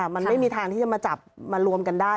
มันไม่มีทางที่จะมาจับมารวมกันได้